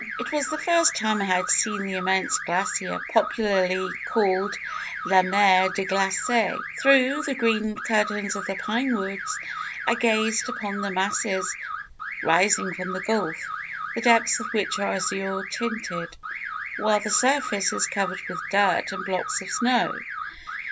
"It was the first time I had seen the immense glacier popularly called 'La Mer de Glace.' Through the green curtains of the pinewoods, I gazed upon the masses rising from the gulf, the depths of which are azure tinted, while the surface is covered with dirt and blocks of snow.